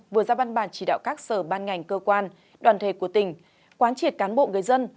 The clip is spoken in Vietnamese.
vừa ra văn bản chỉ đạo các sở ban ngành cơ quan đoàn thể của tỉnh quán triệt cán bộ người dân